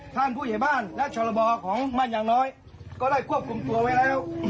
ท่านผู้ใหญ่บ้านและชรบของมั่นยางน้อยก็ได้ควบคุมตัวไว้แล้ว